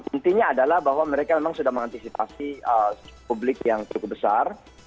intinya adalah bahwa mereka memang sudah mengantisipasi publik yang cukup besar